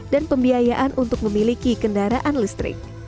dan pembiayaan untuk memiliki kendaraan listrik